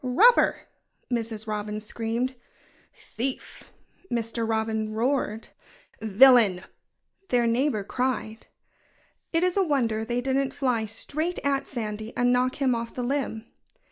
"Robber!" Mrs. Robin screamed. "Thief!" Mr. Robin roared. "Villain!" their neighbor cried. It is a wonder they didn't fly straight at Sandy and knock him off the limb.